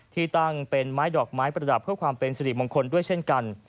ที่ตั้งเป็นไม้ดอกไม้ประดับเพื่อความเป็นสิริมงคลด้วยเช่นกัน